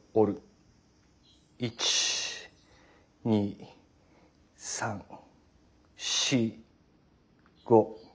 １２３４５。